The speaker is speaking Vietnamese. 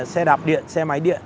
xe đạp điện xe máy điện